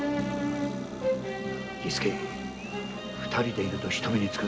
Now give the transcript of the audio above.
二人でいると人目につく。